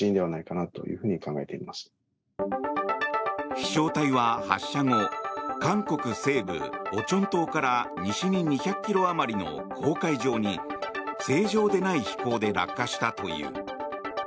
飛翔体は発射後韓国西部オチョン島から西に２００ｋｍ余りの黄海上に正常でない飛行で落下したという。